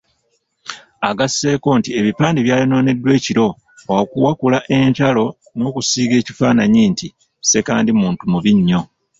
Agasseeko nti ebipande byayonooneddwa ekiro okuwakula entalo n'okusiiga ekifaananyi nti Ssekandi muntu mubi nnyo.